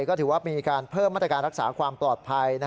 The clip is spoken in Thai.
ก็ถือว่ามีการเพิ่มมาตรการรักษาความปลอดภัย